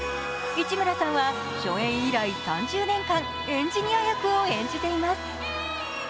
市村さんは初演以来３０年間エンジニア役を演じています。